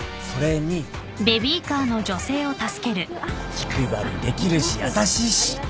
気配りできるし優しいし。